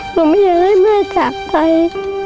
หนูไม่อยากให้แม่จากไป